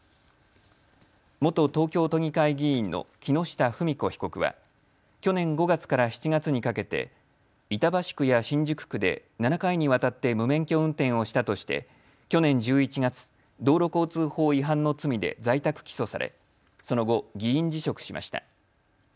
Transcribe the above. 元東京都議会議員の木下富美子被告は去年５月から７月にかけて板橋区や新宿区で７回にわたって無免許運転をしたとして去年１１月、道路交通法違反の罪で在宅起訴されその後、議員辞職しました。